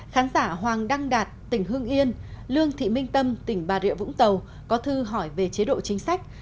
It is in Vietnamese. khán giả hoàng đăng đạt tỉnh hương yên lương thị minh tâm tỉnh bà rịa vũng tàu có thư hỏi về chế độ chính sách